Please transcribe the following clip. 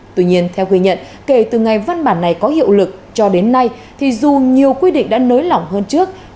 tuy nhiên theo ghi nhận kể từ ngày văn bản này có hiệu lực cho đến nay thì dù nhiều quy định đã nới lỏng hơn trước